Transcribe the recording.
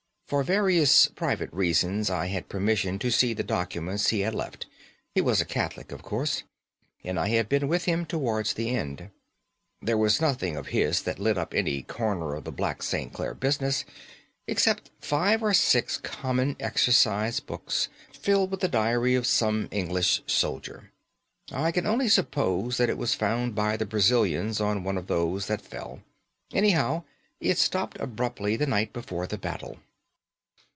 For various private reasons I had permission to see the documents he had left; he was a Catholic, of course, and I had been with him towards the end. There was nothing of his that lit up any corner of the black St. Clare business, except five or six common exercise books filled with the diary of some English soldier. I can only suppose that it was found by the Brazilians on one of those that fell. Anyhow, it stopped abruptly the night before the battle.